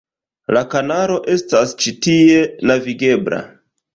La kanalo estas ĉi tie navigebla.